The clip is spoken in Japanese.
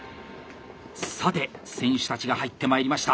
さて選手たちが入ってまいりました。